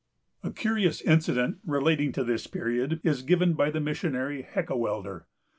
A curious incident, relating to this period, is given by the missionary Heckewelder.